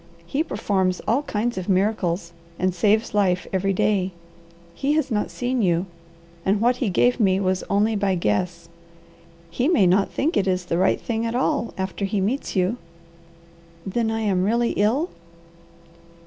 He performs all kinds of miracles, and saves life every day. He had not seen you, and what he gave me was only by guess. He may not think it is the right thing at all after he meets you." "Then I am really ill?"